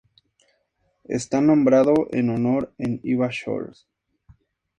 Está nombrado en honor de Iva Shores.